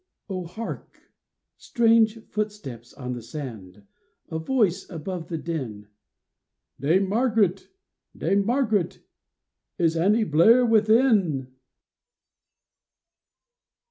Oh, hark ! strange footsteps on the sand, A voice above the din :*' Dame Margaret ! Dame Margaret ! Is Annie Blair within